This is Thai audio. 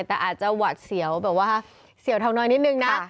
แต่อาจจะหวาดเสียวเท่าน้อยนิดหนึ่งนะคะ